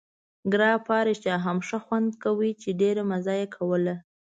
ګراپا رښتیا هم ښه خوند کاوه، چې ډېره مزه یې کوله.